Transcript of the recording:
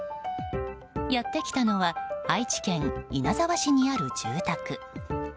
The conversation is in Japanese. やってきたのは愛知県稲沢市にある住宅。